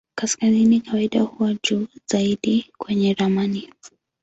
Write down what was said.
Kaskazini kawaida huwa juu zaidi kwenye ramani.